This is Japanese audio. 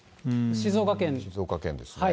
静岡県ですね。